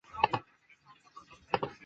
永历九年去世。